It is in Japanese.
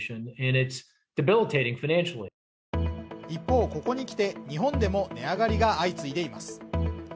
一方ここに来て日本でも値上がりが相次いでいます